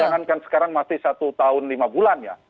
jangankan sekarang masih satu tahun lima bulan ya